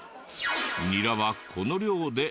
ニラはこの量で５０円。